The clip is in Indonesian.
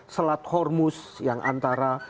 selat hormus yang antara